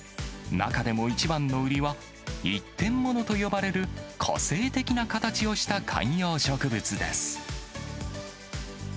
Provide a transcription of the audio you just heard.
中でも一番の売りは、一点物と呼ばれる個性的な形をした観葉植物です。